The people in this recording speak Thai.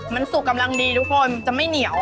มันสุกกำลังดีทุกคนจะไม่เหนียว